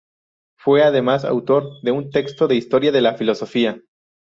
Fue además autor de un texto de historia de la filosofía.